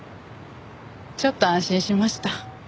ちょっと安心しました。